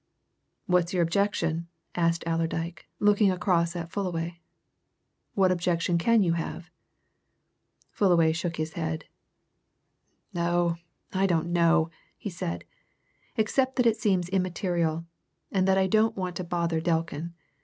"What's your objection?" asked Allerdyke, looking across at Fullaway. "What objection can you have?" Fullaway shook his head. "Oh, I don't know!" he said. "Except that it seems immaterial, and that I don't want to bother Delkin.